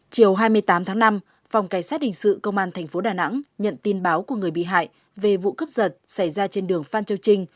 chiều hai mươi tám tháng năm phòng cảnh sát hình sự công an tp đà nẵng nhận tin báo của người bị hại về vụ cướp giật xảy ra trên đường phan châu trinh